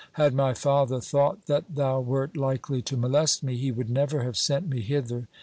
Had my father thought that thou wert likely to molest me, he would never have sent me hither.